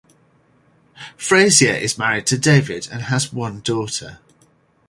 Frazier is married to David and has one daughter.